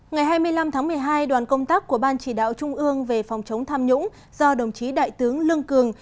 ngày hai mươi năm tháng một mươi hai đoàn công tác của ban chỉ đạo trung ương về phòng chống tham nhũng do đồng chí đại tướng lương cường